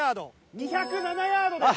２０７ヤードです。